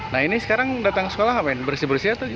nah ini sekarang datang sekolah ngapain bersih bersih atau gimana